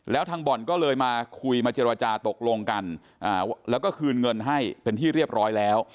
แล้วทางบ่อนก็เลยมาคุยมาเจรจาตกลงกันแล้วก็คืนเงินให้เป็นที่เรียบร้อยแล้ว